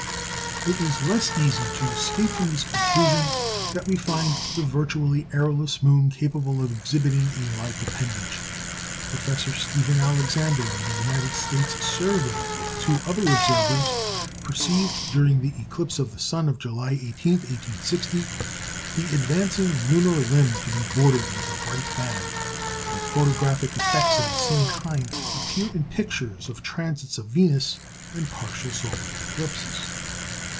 " It is the less easy to escape from this conclusion that we find the virtually airless moon capable of exhibiting a like appendage. Professor Stephen Alexander, of the United States Survey, with two other observers, perceived, during the eclipse of the sun of July 18, 1860, the advancing lunar limb to be bordered with a bright band; and photographic effects of the same kind appear in pictures of transits of Venus and partial solar eclipses.